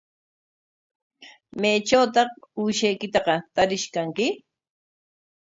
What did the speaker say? ¿Maytrawtaq uushaykitaqa tarish kanki?